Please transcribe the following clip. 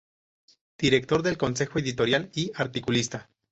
Director del Consejo Editorial y articulista.